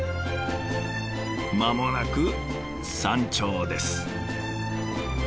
間もなく山頂です。